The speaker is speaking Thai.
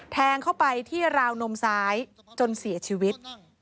แทงเข้าไปที่ราวนมซ้ายจนเสียชีวิต